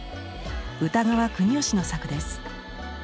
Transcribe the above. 歌川国芳の作です。